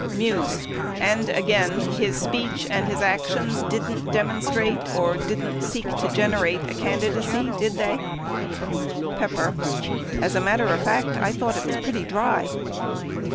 Muse. And again, his speech and his actions didn't demon strate, or didn't seek to generate a candidacy, did [they] ? Pepper. As a matter of fact, I thought it was pretty dry